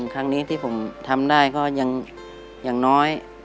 คันที่ผมทำได้ง่ายอยวินักยังน้อย